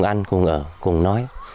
cùng ăn cùng ở cùng nói